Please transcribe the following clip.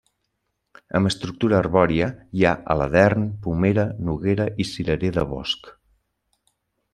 Amb estructura arbòria hi ha aladern, pomera, noguera i cirerer de bosc.